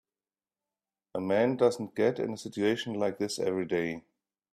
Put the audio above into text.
A man doesn't get in a situation like this every day.